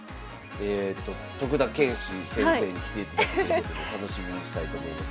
徳田拳士先生に来ていただくということで楽しみにしたいと思います。